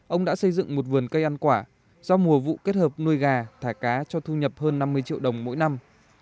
ông đã xây dựng một vườn cây ăn quả do mùa vụ kết hợp nuôi gà thả cá cho thu nhập hơn năm mươi triệu đồng mỗi năm